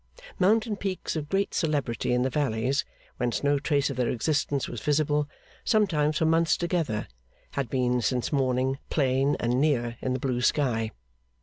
Mountain peaks of great celebrity in the valleys, whence no trace of their existence was visible sometimes for months together, had been since morning plain and near in the blue sky.